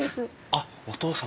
あっお義父様！